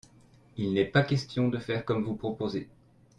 Il n'est pas question de faire comme vous proposez.